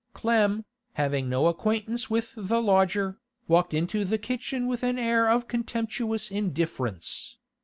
Clem, having no acquaintance with the lodger, walked into the kitchen with an air of contemptuous indifference.